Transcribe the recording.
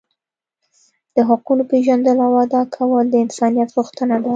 د حقونو پیژندل او ادا کول د انسانیت غوښتنه ده.